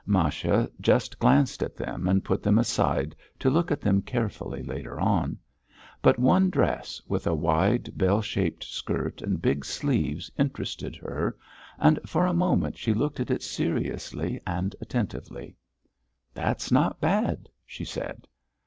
Masha just glanced at them and put them aside to look at them carefully later on; but one dress, with a wide, bell shaped skirt and big sleeves interested her, and for a moment she looked at it seriously and attentively. "That's not bad," she said.